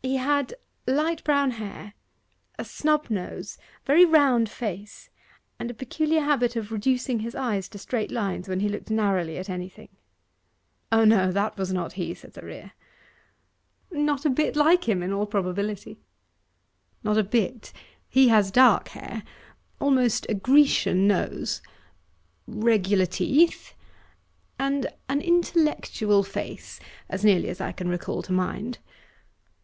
He had light brown hair, a snub nose, very round face, and a peculiar habit of reducing his eyes to straight lines when he looked narrowly at anything.' 'O no. That was not he, Cytherea.' 'Not a bit like him in all probability.' 'Not a bit. He has dark hair almost a Grecian nose, regular teeth, and an intellectual face, as nearly as I can recall to mind.